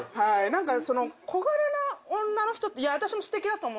何か小柄な女の人って私もすてきだと思うんですよ。